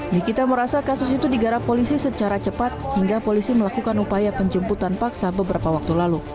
nikita merasa kasus itu digarap polisi secara cepat hingga polisi melakukan upaya penjemputan paksa beberapa waktu lalu